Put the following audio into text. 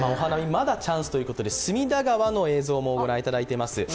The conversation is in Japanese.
まだチャンスということで、隅田川の映像をご覧いただいています。